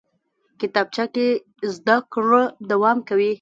کتابچه کې زده کړه دوام کوي